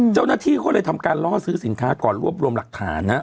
เจ้าหน้าที่เขาเลยทำการล่อซื้อสินค้าก่อนรวบรวมหลักฐานนะ